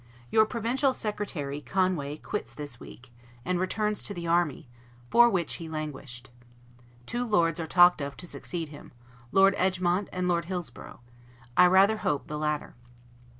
Your provincial secretary, Conway, quits this week, and returns to the army, for which he languished. Two Lords are talked of to succeed him; Lord Egmont and Lord Hillsborough: I rather hope the latter.